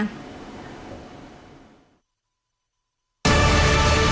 kinh tế phương nam